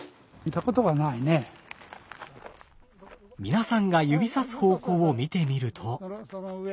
皆さんが指さす方向を見てみると。